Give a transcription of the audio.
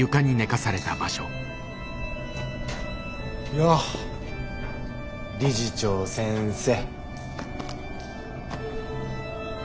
よう理事長先生。